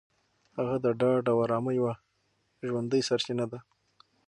هغه د ډاډ او ارامۍ یوه ژوندۍ سرچینه ده.